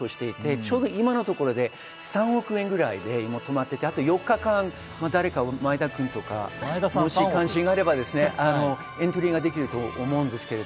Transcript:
ちょうど今３億円ぐらいで止まっていて、あと４日間、誰か、前田君とか関心があればエントリーできると思います。